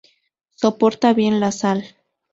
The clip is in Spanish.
Soporta bien la sal.